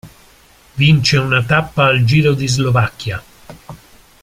Vince una tappa al Giro di Slovacchia.